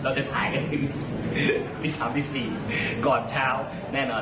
เราจะถ่ายกันที่สามที่สี่ก่อนเช้าแน่นอน